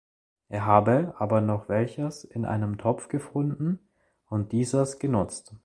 Er habe aber noch welches in einem Topf gefunden und dieses genutzt.